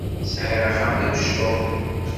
Sɛiɣ axxam d amecṭuḥ.